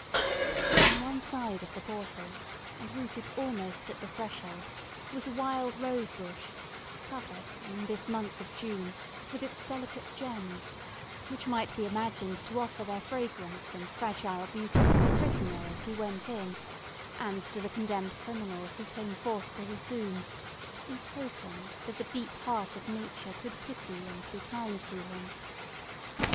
But on one side of the portal, and rooted almost at the threshold, was a wild rose bush, covered, in this month of June, with its delicate gems, which might be imagined to offer their fragrance and fragile beauty to the prisoner as he went in, and to the condemned criminal as he came forth to his doom, in token that the deep heart of Nature could pity and be kind to him.